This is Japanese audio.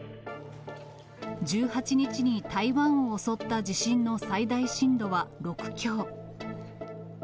１８日に台湾を襲った地震の最大震度は６強。